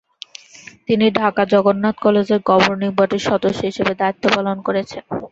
তিনি ঢাকা জগন্নাথ কলেজের গভর্নিং বডির সদস্য হিসেবে দায়িত্বপালন করেছেন।